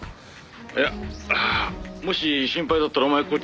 「いや。もし心配だったらお前こっちへ来たらどうだ？」